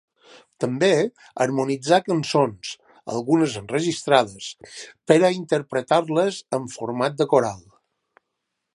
També harmonitzà cançons, algunes enregistrades, per a interpretar-les en format de coral.